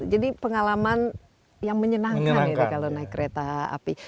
jadi pengalaman yang menyenangkan ya kalau naik kereta api